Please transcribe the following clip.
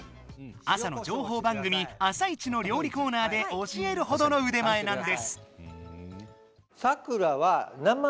朝のじょうほう番組「あさイチ」の料理コーナーで教えるほどの腕前なんです！